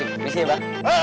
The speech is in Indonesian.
terima kasih abah